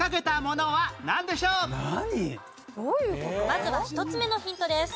まずは１つ目のヒントです。